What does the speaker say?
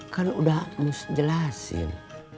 kan udah mus jelasin